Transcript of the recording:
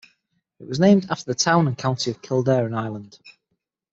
It was named after the town and county of Kildare in Ireland.